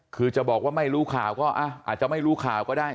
คือจะบอกว่าไม่รู้ข่าวก็อาจจะไม่รู้ข่าวก็ได้